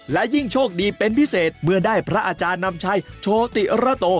และยิ่งโชคดีเป็นพิเศษเมื่อได้พระอาจารย์นำชัยโชติระโต